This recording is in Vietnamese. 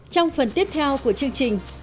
trong phần tiếp theo của chương trình